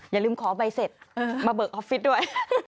อย่าลืมขอใบเสร็จมาเบิกออฟฟิศด้วย